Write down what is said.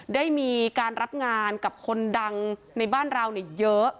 ได้มีการรับงานกับคนดังในบ้านเราเยอะ